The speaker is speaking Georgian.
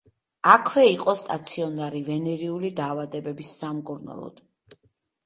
აქვე იყო სტაციონარი ვენერიული დაავადებების სამკურნალოდ.